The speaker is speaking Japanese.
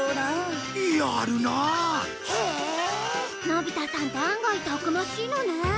のび太さんって案外たくましいのね。